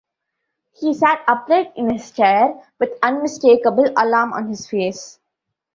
He sat upright in his chair, with unmistakable alarm on his face.